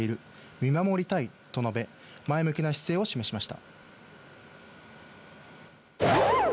見守りたいと述べ、前向きな姿勢を示しました。